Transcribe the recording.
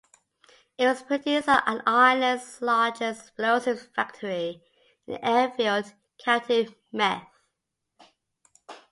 It was produced at Ireland's largest explosives factory in Enfield, County Meath.